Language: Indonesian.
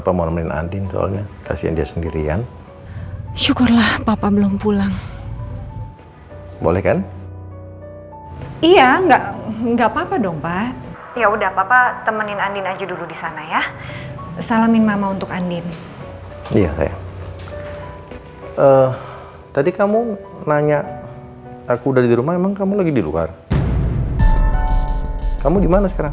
apa kayaknya apa di rumah sakit dulu ya papa mau nemenin andin soalnya kasihan dia sendirian syukurlah papa belum pulang bolehkan iya nggak nggak papa dong pak ya udah papa temenin andin aja dulu di sana ya salamin mama untuk andin iya sayang tadi kamu nanya aku udah di rumah emang kamu lagi di luar kamu dimana sekarang